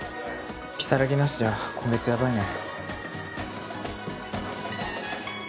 如月なしじゃ今月ヤバいね。